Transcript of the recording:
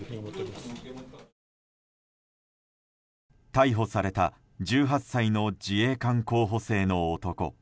逮捕された１８歳の自衛官候補生の男。